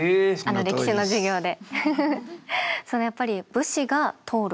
歴史の授業で。